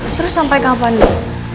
terus sampai kapan nek